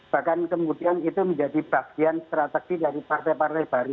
bahkan kemudian itu menjadi bagian strategi dari partai partai baru